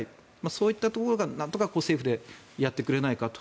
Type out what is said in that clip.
そういったところから、なんとか政府でやってくれないかと。